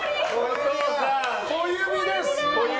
小指です。